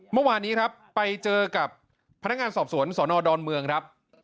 เมื่อวานนี้ครับไปเจอกับพนักงานสอบสวนสนดอนเมืองครับ